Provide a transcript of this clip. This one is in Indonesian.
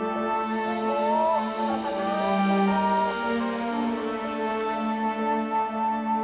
beraninya lagi diana